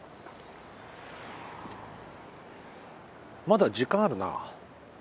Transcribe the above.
まだ時間あるな。